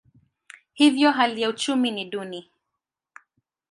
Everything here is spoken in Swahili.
Hivyo hali ya uchumi ni duni.